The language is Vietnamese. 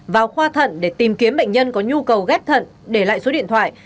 vào khoa thận để tìm kiếm bệnh nhân có nhu cầu ghép thận để lại số điện thoại